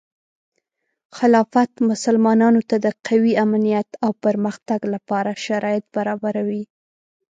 خلافت مسلمانانو ته د قوي امنیت او پرمختګ لپاره شرایط برابروي.